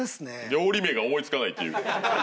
料理名が思い付かないっていう。